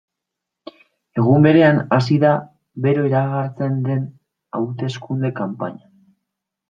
Egun berean hasi da bero iragartzen den hauteskunde kanpaina.